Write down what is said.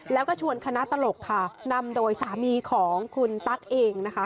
แล้วก็ชวนคณะตลกค่ะนำโดยสามีของคุณตั๊กเองนะคะ